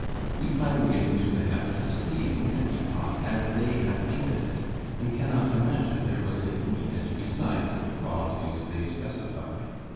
We finally get into the habit of seeing an epoch as they have painted it, and cannot imagine there was anything in it besides the qualities they specify.